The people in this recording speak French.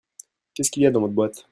Qu'est-ce qu'il y a dans votre boîte ?